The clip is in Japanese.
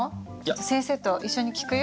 先生と一緒に聞くよ。